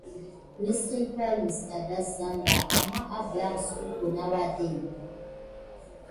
Nǝsen paï ah dazan ɓa, ammah ebé ahǝn sidike nah wade.